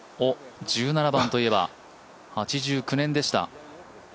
１７番といえば、８９年でした。